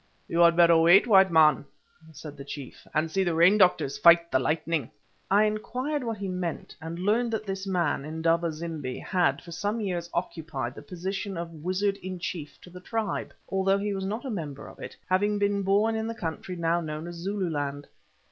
"You had better wait, white man," said the chief, "and see the rain doctors fight the lightning." I inquired what he meant, and learned that this man, Indaba zimbi, had for some years occupied the position of wizard in chief to the tribe, although he was not a member of it, having been born in the country now known as Zululand.